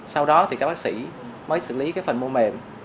sau đó thì các bác sĩ mới xử lý phần mô mềm